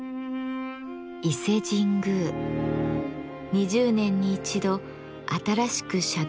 ２０年に一度新しく社殿を建て替え